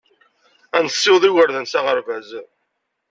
Ad nessiweḍ igerdan s aɣerbaz.